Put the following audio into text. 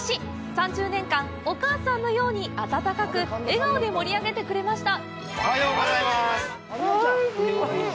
３０年間、お母さんのように温かく笑顔で盛り上げてくれました。